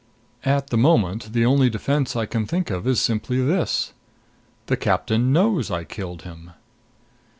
At the moment the only defense I can think of is simply this the captain knows I killed him!